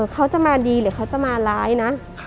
เขาจะมาดีหรือเขาจะมาร้ายนะ